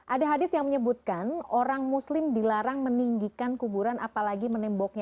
ada hadis yang menyebutkan orang muslim dilarang meninggikan kuburan apalagi menemboknya